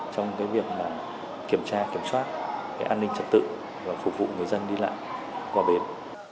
trong việc kiểm tra kiểm soát an ninh trật tự và phục vụ người dân đi lại qua bến